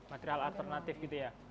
material alternatif gitu ya